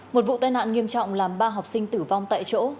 một vụ tai nạn nghiêm trọng làm ba học sinh tử vong tại chỗ